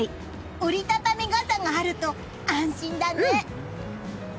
折り畳み傘があると安心だね。